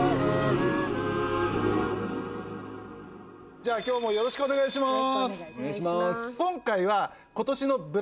じゃあ今日もよろしくお願いします！